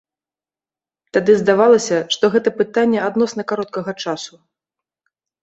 Тады здавалася, што гэта пытанне адносна кароткага часу.